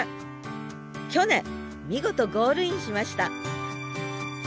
去年見事ゴールインしました